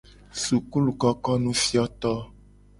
Sukulukokonufioto.